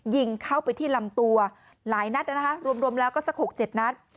ยิงเข้าไปที่ลำตัวหลายนัดนะคะรวมแล้วก็สัก๖๗นัด